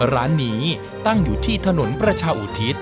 ร้านนี้ตั้งอยู่ที่ถนนประชาอุทิศ